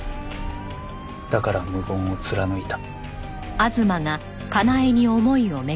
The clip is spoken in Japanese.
だから無言を貫いた。